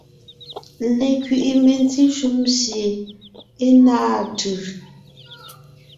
Lekẅiʼi mentí shúm sie é náa tʉ̀.